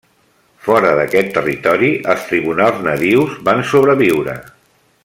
Fora d'aquest territori els tribunals nadius van sobreviure.